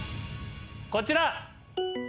こちら。